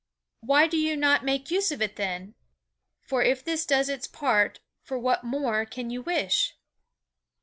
Why do you not make use of it then? For if this does its part, for what more can you wish?"